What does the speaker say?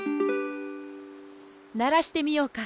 ならしてみようか。